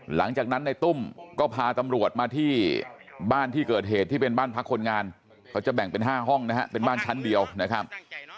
หลังจากนั้นในตุ้มก็พาตำรวจมาที่บ้านที่เกิดเหตุที่เป็นบ้านพักคนงานเขาจะแบ่งเป็น๕ห้องนะฮะเป็นบ้านชั้นเดียวนะครับ